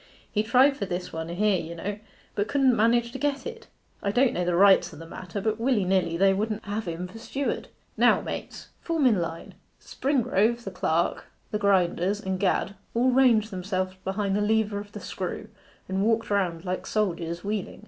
He tried for this one here, you know, but couldn't manage to get it. I don't know the rights o' the matter, but willy nilly they wouldn't have him for steward. Now mates, form in line.' Springrove, the clerk, the grinders, and Gad, all ranged themselves behind the lever of the screw, and walked round like soldiers wheeling.